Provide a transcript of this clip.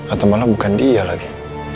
atau malah bukan dia lagi